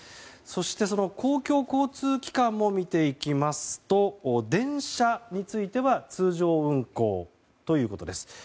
そして公共交通機関も見ていきますと電車については通常運行ということです。